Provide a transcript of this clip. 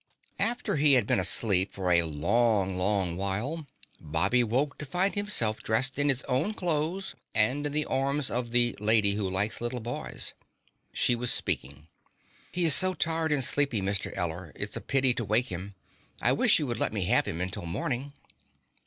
After he had been asleep for a long, long while, Bobby woke to find himself dressed in his own clothes and in the arms of the Lady Who Likes Little Boys. She was speaking. "He is so tired and sleepy, Mr. Eller. It's a pity to wake him. I wish you would let me have him until morning."